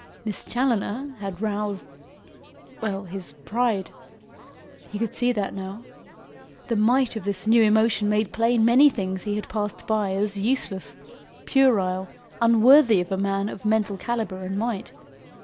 Miss Challoner had roused well, his pride. He could see that now. The might of this new emotion made plain many things he had passed by as useless, puerile, unworthy of a man of mental calibre and might.